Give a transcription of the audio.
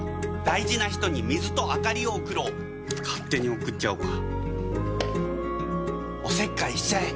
大事な人に水と灯りを贈ろう勝手に贈っちゃおうかおせっかいしちゃえ！